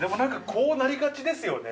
こうなりがちですよね。